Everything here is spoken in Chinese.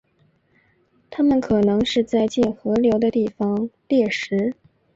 它们可能是在近河流的地方猎食。